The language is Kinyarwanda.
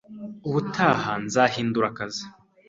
Ubutaha nzahindura akazi,